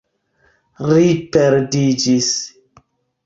Ri perdiĝis.